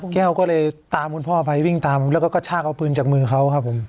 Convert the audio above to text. แก้วก็เลยตามคุณพ่อไปวิ่งตามแล้วก็กระชากเอาปืนจากมือเขาครับผม